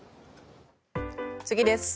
次です。